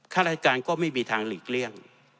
ข้าราชการก็ไม่มีทางหลีกเลี่ยง